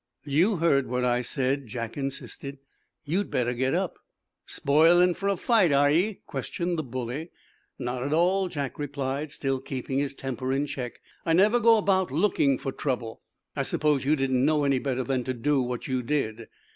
"You heard what I said," Jack insisted. "You'd better get up." "Spoiling for a fight, are ye?" questioned the bully. "Not at all," Jack replied, still keeping his temper in check. "I never go about looking for trouble. I suppose you didn't know any better than to do what you did."